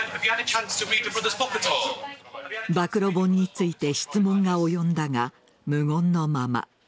暴露本について質問が及んだが無言のまま。